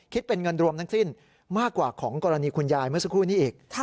เป็นเงินรวมทั้งสิ้นมากกว่าของกรณีคุณยายเมื่อสักครู่นี้อีก